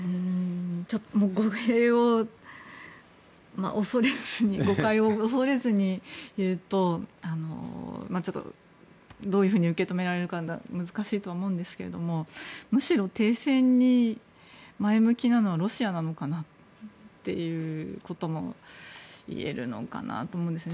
語弊を恐れずに誤解を恐れずに言うとどういうふうに受け止められるか難しいと思うんですけどむしろ停戦に前向きなのはロシアなのかなということも言えるのかなと思うんですね。